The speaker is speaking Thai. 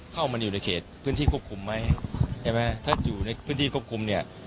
เข้ามาอยู่ในเขตพื้นที่ควบคุมไหมใช่ไหมถ้าอยู่ในพื้นที่ควบคุมเนี่ย